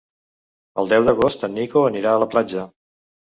El deu d'agost en Nico anirà a la platja.